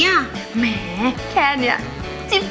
แหมแค่นี้